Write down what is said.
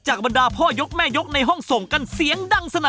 จากบรรดาพ่อยกแม่ยกในห้องส่ง